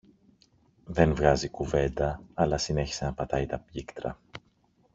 δεν βγάζει κουβέντα αλλά συνέχισε να πατάει τα πλήκτρα